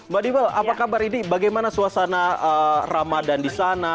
mbak diva apa kabar ini bagaimana suasana ramadan di sana